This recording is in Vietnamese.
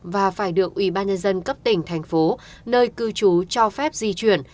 và phải được ủy ban nhân dân cấp tỉnh thành phố nơi cư trú cho phép di chuyển